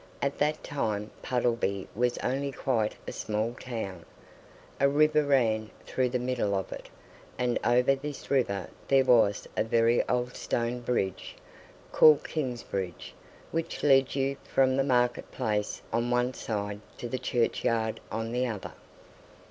At that time Puddleby was only quite a small town. A river ran through the middle of it; and over this river there was a very old stone bridge, called Kingsbridge, which led you from the market place on one side to the churchyard on the other.